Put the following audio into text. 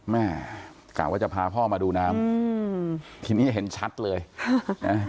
แม่กะว่าจะพาพ่อมาดูน้ำอืมทีนี้เห็นชัดเลยค่ะนะ